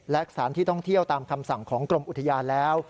และสถานที่ท่องเที่ยวตามคำสั่งของกรมอุทยานแล้ว